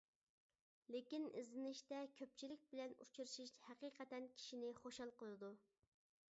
لېكىن ئىزدىنىشتە كۆپچىلىك بىلەن ئۇچرىشىش ھەقىقەتەن كىشىنى خۇشال قىلىدۇ.